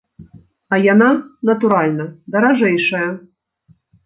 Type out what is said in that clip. А яна, натуральна, даражэйшая!